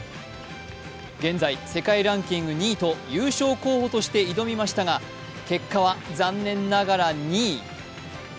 現在、世界ランキング２位と優勝候補として挑みましたが結果は残念ながら２位。